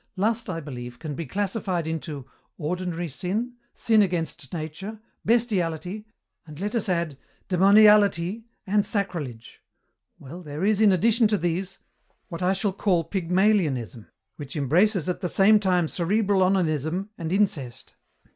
Lust, I believe, can be classified into: ordinary sin, sin against nature, bestiality, and let us add demoniality and sacrilege. Well, there is, in addition to these, what I shall call Pygmalionism, which embraces at the same time cerebral onanism and incest.